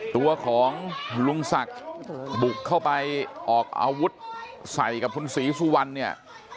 ตัวของลุงศักดิ์บุกเข้าไปออกอาวุธใส่กับคุณศรีสุวรรณเนี่ย